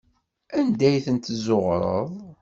Anda ay ten-tezzuɣreḍ?